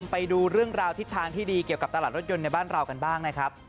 ไปดูเรื่องราวทิศทางที่ดีเกี่ยวกับตลาดรถยนต์ในบ้านเรากันบ้างนะครับ